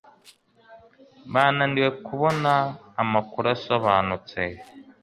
Bananiwe kubona amakuru asobanutse.